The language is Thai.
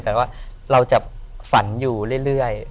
แต่ว่าเราจะฝันอยู่เรื่อย